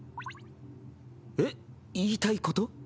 えっ言いたいこと？